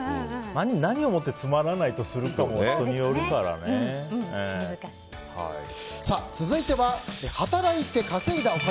何をもってつまらないとするかも続いては働いて稼いだお金